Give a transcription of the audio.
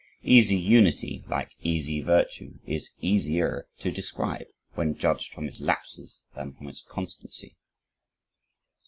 Easy unity, like easy virtue, is easier to describe, when judged from its lapses than from its constancy.